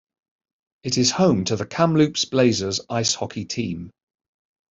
It is home to the Kamloops Blazers Ice hockey team.